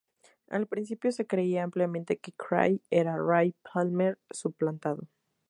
Al principio se creía ampliamente que Cray era Ray Palmer suplantado.